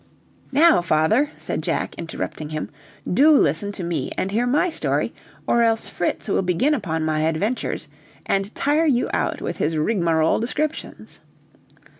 "Now, father," said Jack, interrupting him, "do listen to me and hear my story, or else Fritz will begin upon my adventures and tire you out with his rigmarole descriptions."